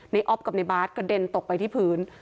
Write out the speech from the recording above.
อ๊อฟกับในบาร์ดกระเด็นตกไปที่พื้น